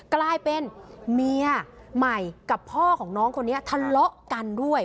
กลายเป็นเมียใหม่กับพ่อของน้องคนนี้ทะเลาะกันด้วย